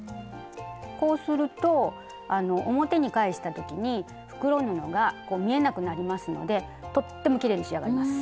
こうすると表に返した時に袋布が見えなくなりますのでとってもきれいに仕上がります。